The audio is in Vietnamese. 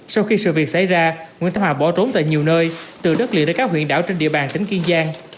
sau khi sự việc xảy ra nguyễn thanh hòa bỏ trốn tại nhiều nơi từ đất liền đến các huyện đảo trên địa bàn tỉnh kiên giang